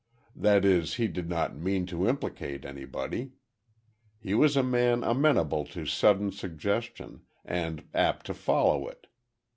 "That is he did not mean to implicate anybody. He was a man amenable to sudden suggestion, and apt to follow it.